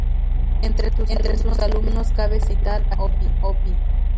Entre sus alumnos cabe citar a John Opie.